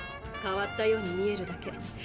変わったように見えるだけ。